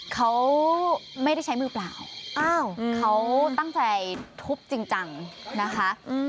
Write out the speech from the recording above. เขาไม่ได้ใช้มือเปล่าอ้าวเขาตั้งใจทุบจริงจังนะคะ